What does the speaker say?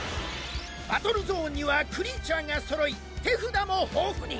バトルゾーンにはクリーチャーがそろい手札も豊富に。